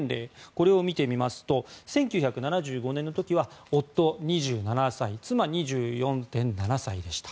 これを見てみますと１９７５年の時は夫、２７歳妻、２４．７歳でした。